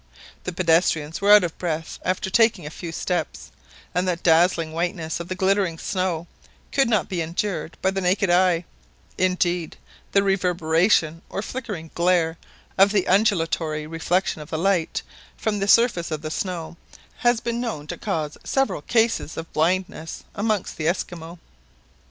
The pedestrians were out of breath after taking a few steps, and the dazzling whiteness of the glittering snow could not be endured by the naked eye; indeed, the reverberation or flickering glare of the undulatory reflection of the light from the surface of the snow, has been known to cause several cases of blindness amongst the Esquimaux.